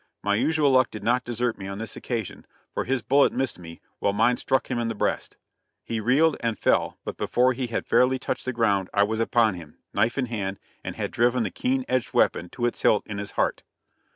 My usual luck did not desert me on this occasion, for his bullet missed me, while mine struck him in the breast. He reeled and fell, but before he had fairly touched the ground I was upon him, knife in hand, and had driven the keen edged weapon to its hilt in his heart.